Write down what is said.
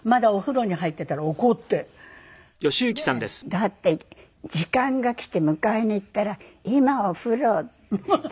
だって時間が来て迎えに行ったら「今お風呂」って。